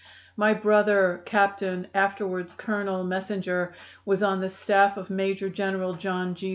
My brother, Captain (afterwards Colonel) Messinger, was on the staff of Major General John G.